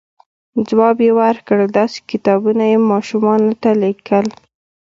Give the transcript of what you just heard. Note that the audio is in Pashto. ځواب یې ورکړ، داسې کتابونه یې ماشومانو ته لیکل،